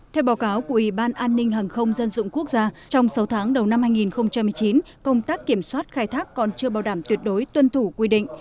theo báo cáo của ủy ban an ninh hàng không dân dụng quốc gia trong sáu tháng đầu năm hai nghìn một mươi chín công tác kiểm soát khai thác còn chưa bảo đảm tuyệt đối tuân thủ quy định